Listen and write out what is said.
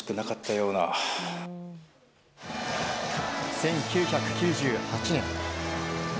１９９８年。